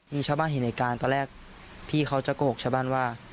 มีชาวบ้านเห็นเหตุการณ์ตอนแรกพี่เขาจะโกหกชาวบ้านว่า